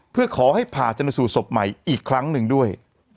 เพื่อขอให้ผ่าชนสูตรศพใหม่อีกครั้งหนึ่งด้วย